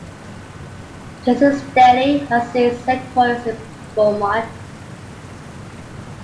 Jason's Deli has its headquarters in Beaumont.